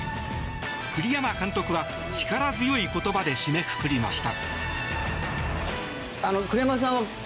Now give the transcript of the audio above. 栗山監督は力強い言葉で締めくくりました。